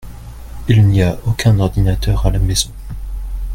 Il n'y a aucun ordinateur à la maison.